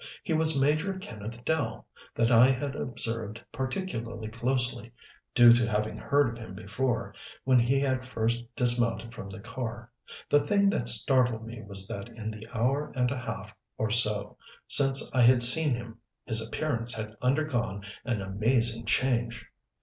He was Major Kenneth Dell that I had observed particularly closely due to having heard of him before when he had first dismounted from the car. The thing that startled me was that in the hour and a half or so since I had seen him his appearance had undergone an amazing change.